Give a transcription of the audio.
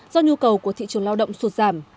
do nhu cầu của thị trường lao động sụt giảm